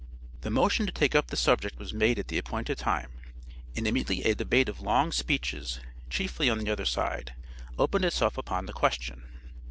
The motion to take up the subject was made at the appointed time, and immediately a debate of long speeches, chiefly on the other side, opened itself upon the question.